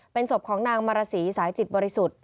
เป็นศพของนางมารสีสายจิตบริสุทธิ์